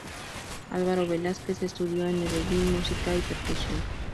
Álvaro Velásquez estudió en Medellín música y percusión.